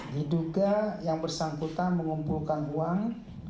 diduga yang bersangkutan mengumpulkan uang